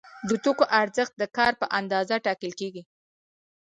د توکو ارزښت د کار په اندازه ټاکل کیږي.